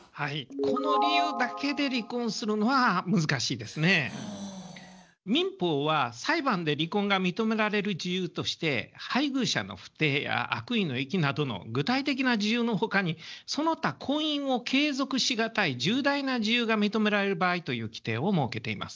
この理由だけで民法は裁判で離婚が認められる事由として配偶者の不貞や悪意の遺棄などの具体的な事由の他にその他婚姻を継続し難い重大な事由が認められる場合という規定を設けています。